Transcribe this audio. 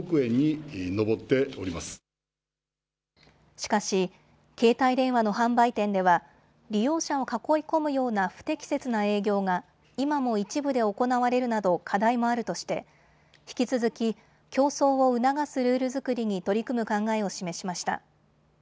しかし携帯電話の販売店では利用者を囲い込むような不適切な営業が今も一部で行われるなど課題もあるとして引き続き競争を促すルール作りに取り組む考えを示しました。